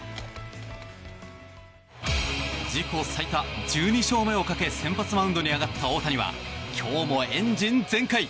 自己最多１２勝目をかけ先発マウンドに上がった大谷は今日もエンジン全開。